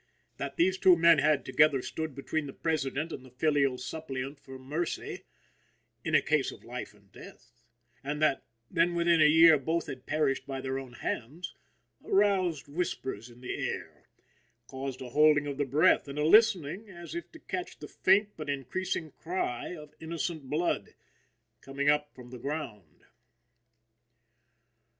That these two men had together stood between the President and the filial suppliant for mercy, in a case of life and death, and that, then, within a year, both had perished by their own hands, aroused whispers in the air, caused a holding of the breath and a listening, as if to catch the faint but increasing cry of innocent blood, coming up from the ground.